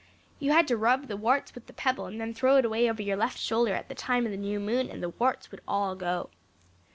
You had to rub the warts with the pebble and then throw it away over your left shoulder at the time of the new moon and the warts would all go.